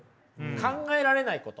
「考えられないこと」